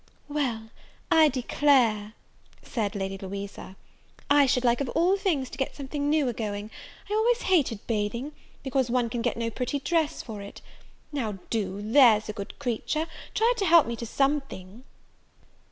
"Well, I declare," said Lady Louisa, "I should like of all things to set something new a going; I always hated bathing, because one can get no pretty dress for it! now do, there's a good creature, try to help me to something."